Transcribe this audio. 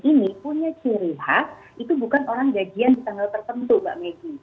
ini punya ciri khas itu bukan orang jagian di tanggal tertentu mbak meggy